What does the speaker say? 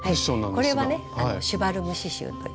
これはね「シュヴァルム」刺しゅうという。